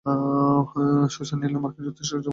Susan Illinois, মার্কিন যুক্তরাষ্ট্রে জন্মগ্রহণ করেন।